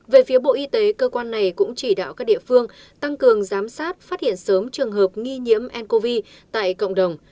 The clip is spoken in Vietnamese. về phía bộ y tế cơ quan này cũng chỉ đạo các địa phương tăng cường giám sát phát hiện sớm trường hợp nghi nhiễm ncov tại cộng đồng